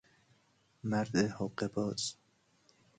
مرد حقهباز